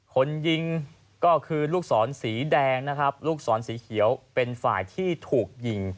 คนยิงก็คือลูกศรสีแดงนะครับลูกศรสีเขียวเป็นฝ่ายที่ถูกยิง